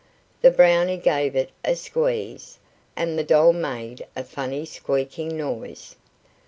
The Brownie gave it a squeeze, and the doll made a funny squeaking noise.